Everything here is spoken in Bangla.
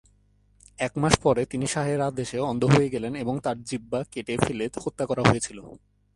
এক মাস পরে তিনি শাহের আদেশে অন্ধ হয়ে গেলেন এবং তার জিহ্বা কেটে ফেলে হত্যা করা হয়েছিল।